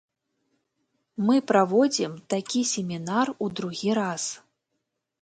Мы праводзім такі семінар у другі раз.